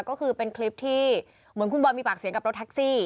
ก็คือเป็นคลิปที่เหมือนคุณบอลมีปากเสียงกับรถแท็กซี่